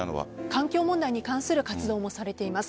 環境問題に関する活動もされています。